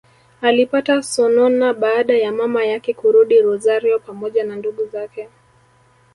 Alipata sonona baada ya mama yake kurudi Rosario pamoja na ndugu zake